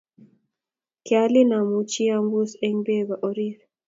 Kialin amuchi ambus eng peko oriit